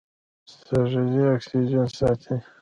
سږي اکسیجن ساتي.